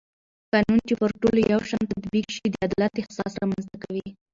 قانون چې پر ټولو یو شان تطبیق شي د عدالت احساس رامنځته کوي